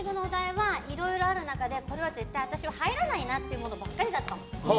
いろいろある中でこれは絶対、私は入らないなというものばかりだったの。